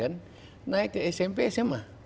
naik ke smp sma